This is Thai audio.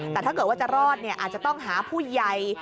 แต่ถ้าเกิดว่าจะรอดอาจจะต้องหาผู้ใหญ่